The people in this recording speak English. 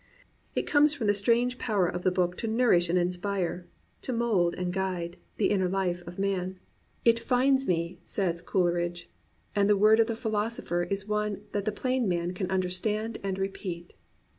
It comes from the strange power of the book to nour ish and inspire, to mould and guide, the inner hfe of 29 COMPANIONABLE BOOKS man. It finds me," said Coleridge; and the word of the philosopher is one that the plain man can understand and repeat.